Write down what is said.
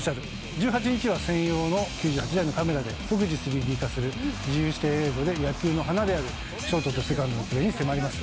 １８日は専用の９８台のカメラで即時３Ｄ化する自由視点映像で野球の華であるショートとセカンドのプレーに迫ります。